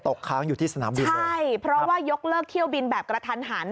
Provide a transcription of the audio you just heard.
ค้างอยู่ที่สนามบินใช่เพราะว่ายกเลิกเที่ยวบินแบบกระทันหัน